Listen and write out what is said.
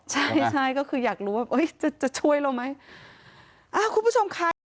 ใช่ค่ะคืออยากรู้ว่าจะช่วยเราไหม